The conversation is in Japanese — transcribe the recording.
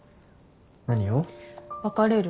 何を？